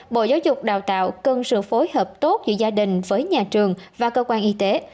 bộ giáo dục đào tạo cần sự phối hợp tốt giữa gia đình với nhà trường và cơ quan y tế